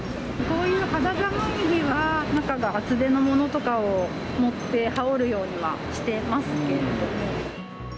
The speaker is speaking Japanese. こういう肌寒い日は、中が厚手のものとかを持って、羽織るようにはしてますけれども。